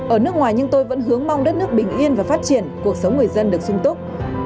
ở nước ngoài nhưng tôi vẫn hướng mong đất nước bình yên và phát triển cuộc sống người dân được sung túc